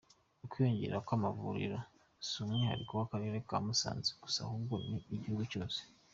Ukwiyongera kw’amavuriro si umwihariko w’Akarere ka Musanze gusa ahubwo ni igihugu cyose.